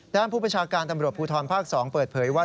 ผู้ประชาการตำรวจภูทรภาค๒เปิดเผยว่า